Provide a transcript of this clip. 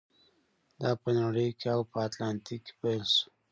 دا په نړۍ او په اتلانتیک کې پیل شو.